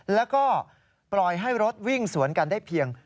แล้วก็ปล่อยให้รถวิ่งสวนกันได้เพียง